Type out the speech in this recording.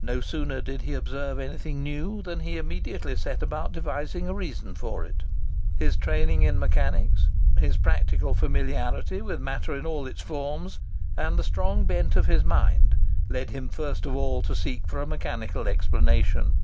No sooner did he observe anything new, than he immediately set about devising a reason for it. His training in mechanics, his practical familiarity with matter in all its forms, and the strong bent of his mind, led him first of all to seek for a mechanical explanation.